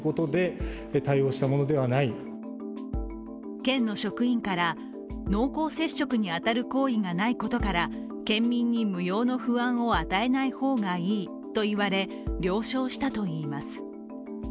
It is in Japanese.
県の職員から濃厚接触に当たる行為がないことから県民に無用の不安を与えない方がいいと言われ、了承したといいます。